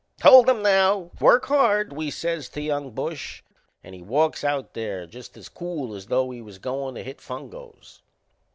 "Hold 'em now! Work hard!" we says to young Bush, and he walks out there just as cool as though he was goin' to hit fungoes.